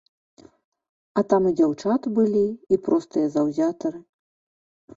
А там і дзяўчаты былі, і простыя заўзятары.